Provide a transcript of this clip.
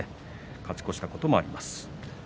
勝ち越したこともあります。